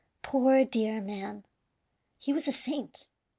Poor dear man! He was a saint!